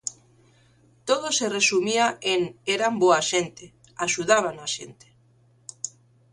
Todo se resumía en eran boa xente, axudaban a xente.